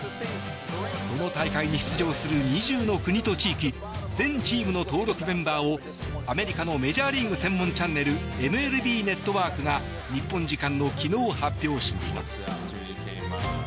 その大会に出場する２０の国と地域全チームの登録メンバーをアメリカのメジャーリーグ専門チャンネルＭＬＢネットワークが日本時間の昨日、発表しました。